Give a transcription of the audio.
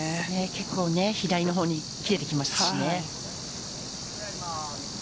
結構左の方に切れてきますしね。